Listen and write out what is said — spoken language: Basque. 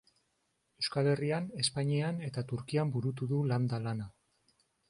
Euskal Herrian, Espainian eta Turkian burutu du landa lana.